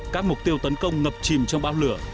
các mục tiêu tấn công ngập chìm trong bao lửa